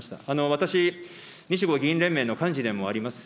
私、日豪議員連盟の幹事でもあります。